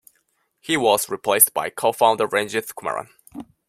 He was replaced by co-founder Ranjith Kumaran.